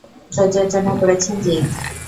প্রযোজনা করেছেন জিৎ।